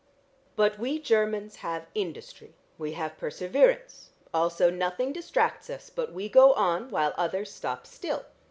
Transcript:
But we Chermans have industry, we have perseverance, also nothing distracts us, but we go on while others stop still.